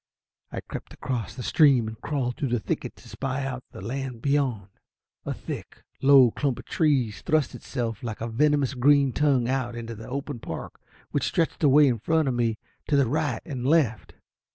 I crept across the stream, and crawled through the thicket to spy out the land beyond. A thick, low clump of trees thrust itself like a venomous green tongue out into the open park which stretched away in front of me to the right and left.